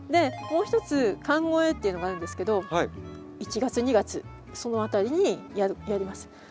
もう一つ寒肥っていうのがあるんですけど１月２月そのあたりにやります。